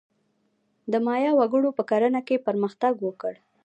د مایا وګړو په کرنه کې پرمختګ وکړ.